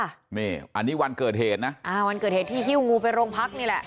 อันนี้วันเกิดเหตุนะอ่าวันเกิดเหตุที่ฮิ้วงูไปโรงพักนี่แหละ